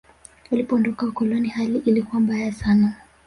walipoondoka wakoloni hali ilikuwa mbaya sana